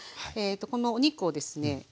このお肉をですね